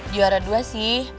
juara dua sih